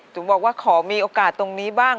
บอกว่าขอมีโอกาสตรงนี้บ้าง